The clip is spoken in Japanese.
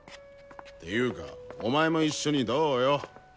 ていうかお前も一緒にどうよ？